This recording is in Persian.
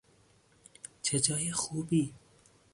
چه جای خوبی!